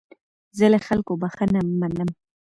زه له خلکو بخښنه منم.